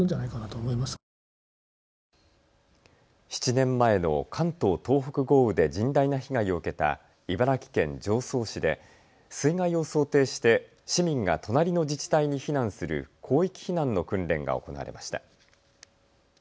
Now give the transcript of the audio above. ７年前の関東・東北豪雨で甚大な被害を受けた茨城県常総市で水害を想定して市民が隣の自治体に避難する広域避難の訓練が行われました。